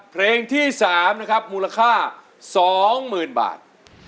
เพลงที่๓นะครับมูลค่า๒๐๐๐บาท